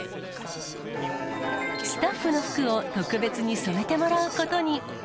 スタッフの服を特別に染めてもらうことに。